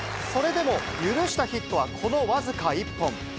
それでも、許したヒットはこの僅か１本。